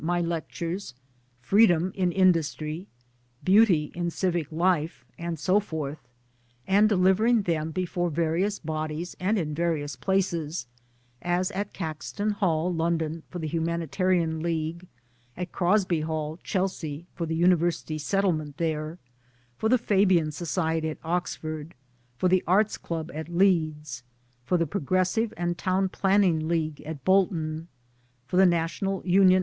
my lectures " Free dom in Industry/* " Beauty in Civic Life " and so forth, and delivering them before various bodies and in various places as at Caxton Hall, London, for the Humanitarian League ; at Crosby Hall, Chelsea, for the University Settlement there ; for the Fabian Society at Oxford ; for the Arts Club at Leeds ; for the Progressive and Town planning League at Bolton ; for the N.U.T.